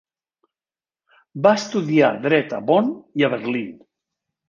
Va estudiar dret a Bonn i a Berlín.